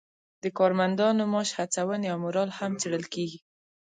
د کارمندانو معاش، هڅونې او مورال هم څیړل کیږي.